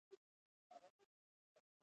اعدامونه د رسمي دوسیو له لارې ترسره کېدل.